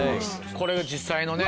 これが実際のね。